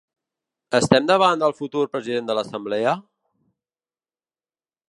Estem davant del futur president de l’assemblea?